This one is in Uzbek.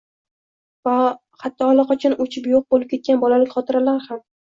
va hatto allaqachon o‘chib yo‘q bo‘lib ketgan bolalik xotiralari ham